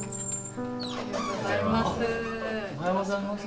おはようございます。